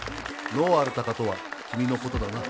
能あるタカとは君のことだな。